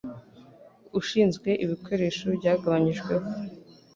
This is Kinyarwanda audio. Ushinzwe ibikoresho byagabanyijwe ho